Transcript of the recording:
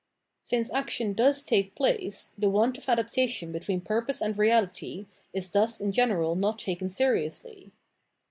Since action does take place, the want of adaptation between purpose and reality is thus in general not taken seriously.